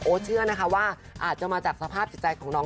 เชื่อนะคะว่าอาจจะมาจากสภาพจิตใจของน้อง